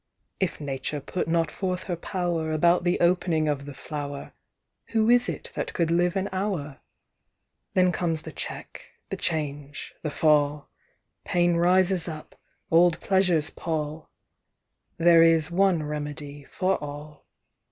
"If Nature put not forth her power About the opening of the flower, Who is it that could live an hour? "Then comes the check, the change, the fall. Pain rises up, old pleasures pall. There is one remedy for all.